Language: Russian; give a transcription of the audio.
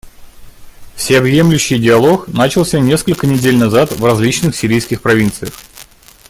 Всеобъемлющий диалог начался несколько недель назад в различных сирийских провинциях.